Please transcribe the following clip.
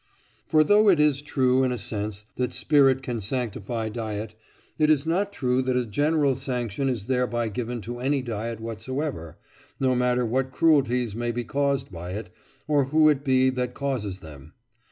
For though it is true, in a sense, that spirit can sanctify diet, it is not true that a general sanction is thereby given to any diet whatsoever, no matter what cruelties may be caused by it, or who it be that causes them.